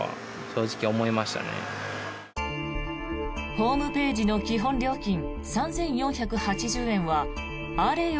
ホームページの基本料金３４８０円はあれよ